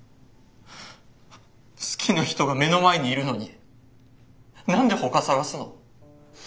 好きな人が目の前にいるのに何で他探すの？